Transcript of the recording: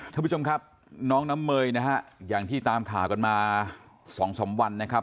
ท่านผู้ชมครับน้องน้ำเมยนะฮะอย่างที่ตามข่าวกันมาสองสามวันนะครับ